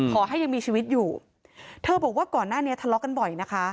ขอให้ยังมีชีวิตอยู่เธอบอกว่าก่อนหน้านี้ทะเลาะกันบ่อยนะคะ